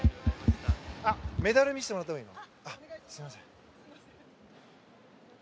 メダル、見せてもらってもいい？